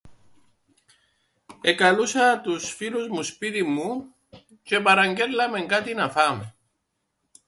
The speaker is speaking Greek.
Εκαλούσα τους φίλους μου σπίτι μου τζ̆αι επαραγγέλλαμεν κάτι να φάμεν